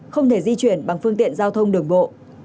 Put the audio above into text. không thể di chuyển bằng phương tiện giao thông đường bộ